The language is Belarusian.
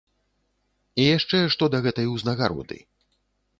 І яшчэ што да гэтай узнагароды.